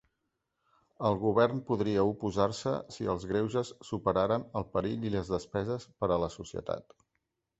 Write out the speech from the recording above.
El Govern podria oposar-se si els greuges superaren el perill i les despeses per a la societat.